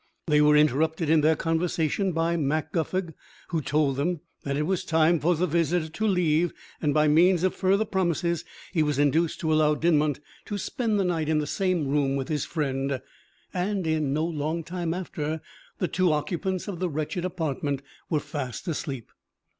They were interrupted in their conversation by Mac Guffog, who told them that it was time for the visitor to leave; but by means of further promises he was induced to allow Dinmont to spend the night in the same room with his friend; and in no longtime after the two occupants of the wretched apartment were fast asleep.